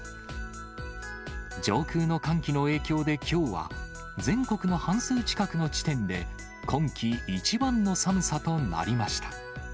上空の寒気の影響できょうは全国の半数近くの地点で、今季一番の寒さとなりました。